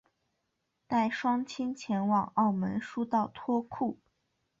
带双亲前往澳门输到脱裤